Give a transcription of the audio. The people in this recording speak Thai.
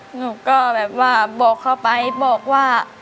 หนูก็แบบว่าบอกเขาไปบอกว่า